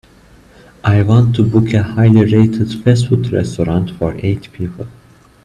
I want to book a highly rated fast food restaurant for eight people.